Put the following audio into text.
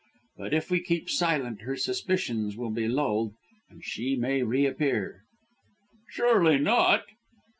But if we keep silent her suspicions will be lulled and she may reappear." "Surely not."